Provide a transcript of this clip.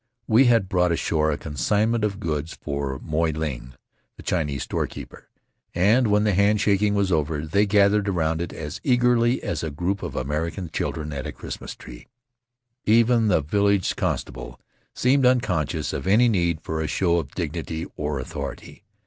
We had brought ashore a consignment of goods for Moy Ling, the Chinese storekeeper, and when the handshaking was over they gathered around it as eagerly as a group of American children at a Christmas tree. Even the village constable seemed unconscious of any need for a show of dignity or authority.